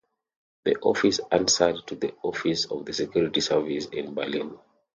The Office answered to the Office of the Security Service in Berlin.